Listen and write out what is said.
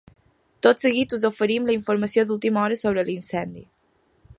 Tot seguit us oferim la informació d’última hora sobre l’incendi.